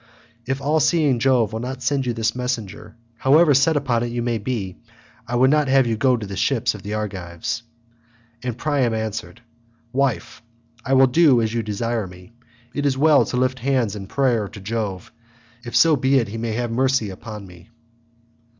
If all seeing Jove will not send you this messenger, however set upon it you may be, I would not have you go to the ships of the Argives." And Priam answered, "Wife, I will do as you desire me; it is well to lift hands in prayer to Jove, if so be he may have mercy upon me."